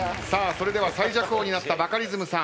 それでは最弱王になったバカリズムさん。